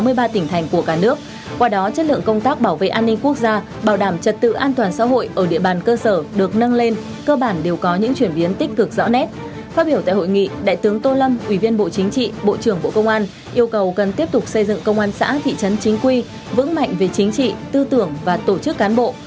yêu cầu cần tiếp tục xây dựng công an xã thị trấn chính quy vững mạnh về chính trị tư tưởng và tổ chức cán bộ